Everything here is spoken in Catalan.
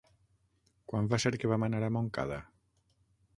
Quan va ser que vam anar a Montcada?